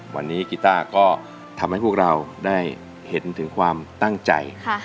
วันนี้กีต้าก็ทำให้พวกเราได้เห็นถึงความตั้งใจ